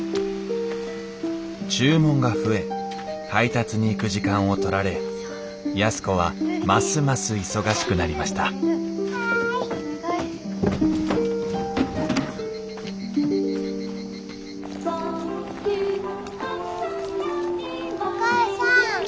注文が増え配達に行く時間をとられ安子はますます忙しくなりましたお母さん「カムカム英語」始まるよ。